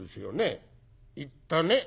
「行ったね」。